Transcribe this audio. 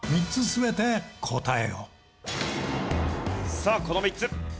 さあこの３つ。